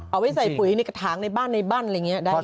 เอาไว้ใส่ปุ๋ยในกระถางในบ้านในบ้านอะไรอย่างนี้ได้ไหม